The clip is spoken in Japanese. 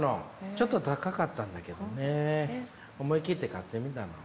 ちょっと高かったんだけどね思い切って買ってみたの。